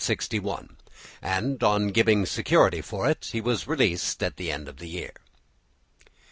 and on giving security for it he was released at the end of the year.